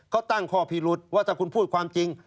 ก็ตั้งข้อพิรุษว่าถ้าคุณพูดความจริง